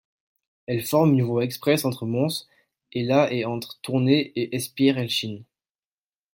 Elle forme une voie express entre Mons et la et entre Tournai et Espierres-Helchin.